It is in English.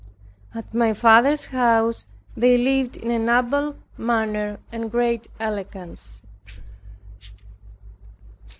At my father's house they lived in a noble manner and great elegance.